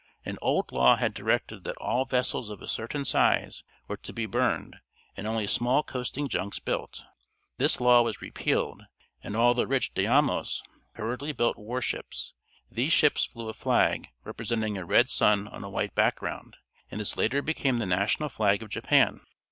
An old law had directed that all vessels of a certain size were to be burned, and only small coasting junks built. This law was repealed, and all the rich daimios hurriedly built war ships. These ships flew a flag representing a red sun on a white background, and this later became the national flag of Japan.